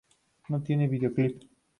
No tiene videoclip.